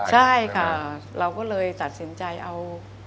ใช่ค่ะเราก็เลยตัดสินใจเอา